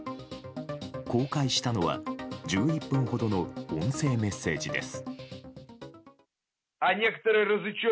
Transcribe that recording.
公開したのは１１分ほどの音声メッセージです。